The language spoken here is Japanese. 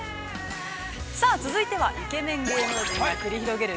◆さあ、続いては、イケメン芸能人が繰り広げる